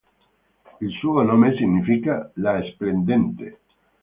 Il suo nome significa "La Splendente".